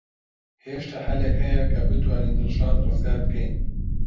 هێشتا هەلێک هەیە کە بتوانین دڵشاد ڕزگار بکەین.